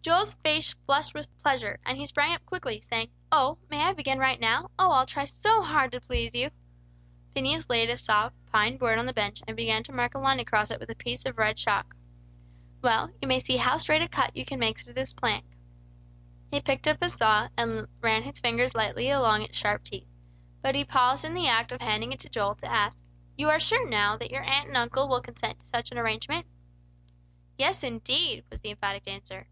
Joel's face flushed with pleasure, and he sprang up quickly, saying, "May I begin right now? Oh, I'll try so hard to please you!" Phineas laid a soft pine board on the bench, and began to mark a line across it with a piece of red chalk. "Well, you may see how straight a cut you can make through this plank." He picked up a saw, and ran his fingers lightly along its sharp teeth. But he paused in the act of handing it to Joel, to ask, "You are sure, now, that your uncle and aunt will consent to such an arrangement?" "Yes indeed!" was the emphatic answer.